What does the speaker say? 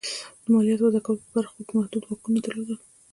د مالیاتو وضعه کولو په برخو کې محدود واکونه درلودل.